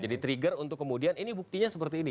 jadi trigger untuk kemudian ini buktinya seperti ini